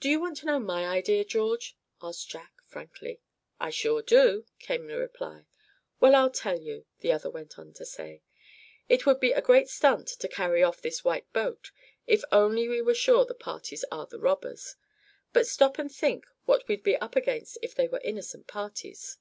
"Do you want to know my idea, George?" asked Jack, frankly. "I sure do," came the reply. "Well, I'll tell you," the other went on to say. "It would be a great stunt to carry off this white boat, if only we were sure the parties are the robbers. But stop and think what we'd be up against if they were innocent parties.